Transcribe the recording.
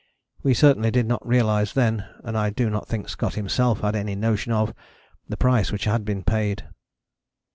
We certainly did not realize then, and I do not think Scott himself had any notion of, the price which had been paid.